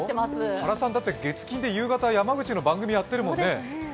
原さん、月金で夕方山口の番組やってるもんね。